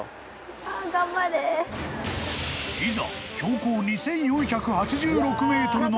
［いざ］